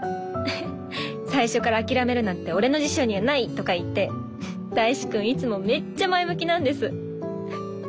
「最初から諦めるなんて俺の辞書にはない！」とか言って大志くんいつもめっちゃ前向きなんです。